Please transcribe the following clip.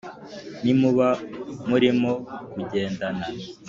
nimuba murimo kugendana